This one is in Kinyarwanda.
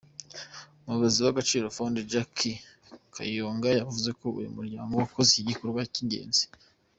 Umuyobozi w’Agaciro Fund, Jack Kayonga, yavuze ko uyu muryango ukoze igikorwa cy’ingenzi.